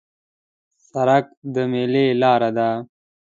سړک د میلې لار ده.